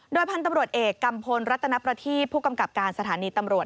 โดยพันธุ์ตำรวจเอกกัมพลรัตนประทีผู้กำกับการสถานีตำรวจ